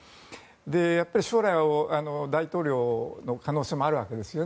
やっぱり将来の大統領の可能性もあるわけですよね